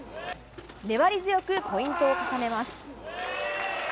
粘り強くポイントを重ねます。